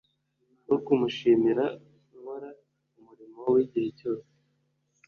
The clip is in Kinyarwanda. wo kumushimira nkora umurimo w igihe cyose